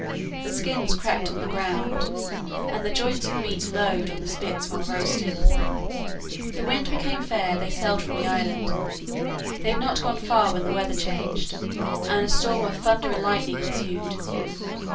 The skins crept on the ground, and the joints of meat lowed on the spits while roasting. The wind becoming fair they sailed from the island. They had not gone far when the weather changed, and a storm of thunder and lightning ensued.